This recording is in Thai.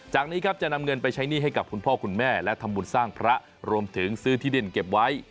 นี้ครับจะนำเงินไปใช้หนี้ให้กับคุณพ่อคุณแม่และทำบุญสร้างพระรวมถึงซื้อที่ดินเก็บไว้